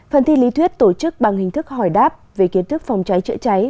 phần thi lý thuyết tổ chức bằng hình thức hỏi đáp về kiến thức phòng cháy chữa cháy